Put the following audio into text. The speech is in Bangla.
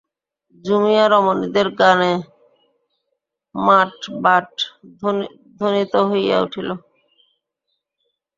জুমিয়া রমণীদের গানে মাঠ-বাট ধ্বনিত হইয়া উঠিল।